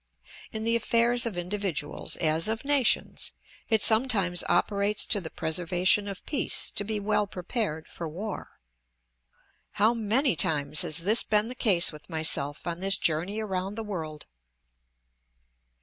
In the affairs of individuals, as of nations, it sometimes operates to the preservation of peace to be well prepared for war. How many times has this been the case with myself on this journey around the world!